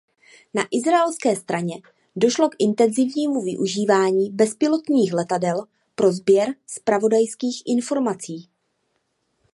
Na izraelské straně došlo k intenzivnímu využívání bezpilotních letadel pro sběr zpravodajských informací.